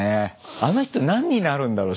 あの人何になるんだろう？